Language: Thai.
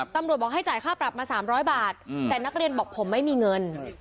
ตำรวจบอกให้จ่ายค่าปรับมา๓๐๐บาทแต่นักเรียนบอกผมไม่มีเงิน